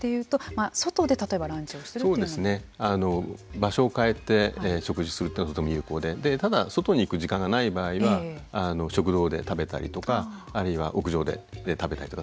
場所を替えて食事するっていうのはとても有効でただ外に行く時間がない場合は食堂で食べたりとかあるいは屋上で食べたりとかそういうことも有効だと思います。